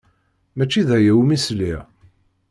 Maci d aya umi sliɣ.